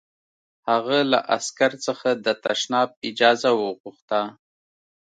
هغه له عسکر څخه د تشناب اجازه وغوښته